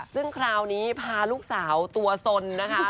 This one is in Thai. ซึ่งคราวนี้พาลูกสาวตัวสนนะคะ